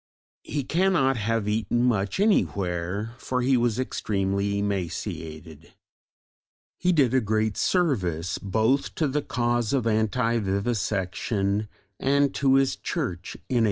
He cannot have eaten much anywhere, for he was extremely emaciated. He did a great service both to the cause of anti vivisection and to his Church in 1882.